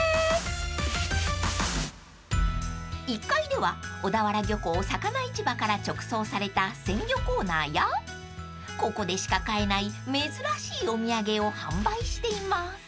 ［１階では小田原漁港魚市場から直送された鮮魚コーナーやここでしか買えない珍しいお土産を販売しています］